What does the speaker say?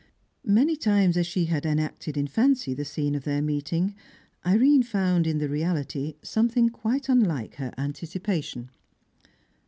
Many times as she had enacted in fancy the scene of their meeting, Irene found in the reality something quite unlike her anticipation.